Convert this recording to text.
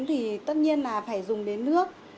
thì tất nhiên là phải dùng đến nước